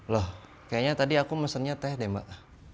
loh kayaknya tadi aku mesennya teh deh mbak